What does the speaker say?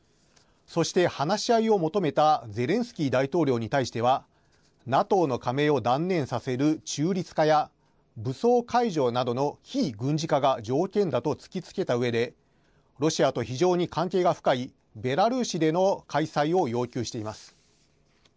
そして、話し合いを求めたゼレンスキー大統領に対してはＮＡＴＯの加盟を断念させる中立化や武装解除などの非軍事化が条件だと突きつけたうえでロシアと非常に関係が深いベラルーシでの開催を要求しています。